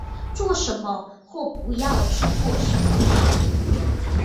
做什么或不要去做什么